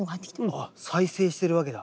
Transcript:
あっ再生してるわけだ。